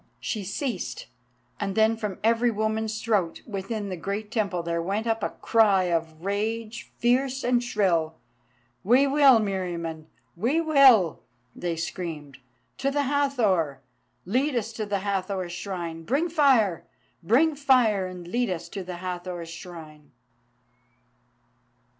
She ceased, and then from every woman's throat within the great Temple there went up a cry of rage, fierce and shrill. "We will, Meriamun, we will!" they screamed. "To the Hathor! Lead us to the Hathor's Shrine! Bring fire! Bring fire! Lead us to the Hathor's Shrine!"